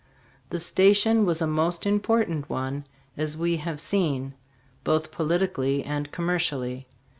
The station was a most important one, as we have seen, both politically and commercially.